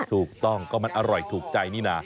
ถูกต้องก็มันอร่อยถูกใจนี่นะ